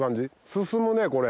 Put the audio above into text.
進むねこれ。